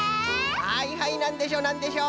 はいはいなんでしょうなんでしょう？